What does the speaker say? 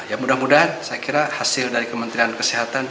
ya mudah mudahan saya kira hasil dari kementerian kesehatan